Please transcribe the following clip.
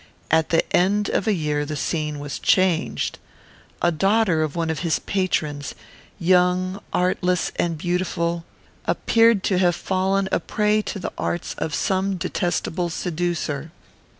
At the end of a year the scene was changed. A daughter of one of his patrons, young, artless, and beautiful, appeared to have fallen a prey to the arts of some detestable seducer.